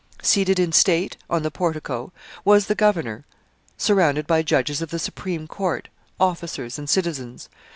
Seated in state on the portico was the governor, surrounded by judges of the Supreme Court, officers, and citizens.